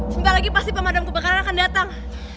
sebentar lagi pasti pemadam kebakaran akan datang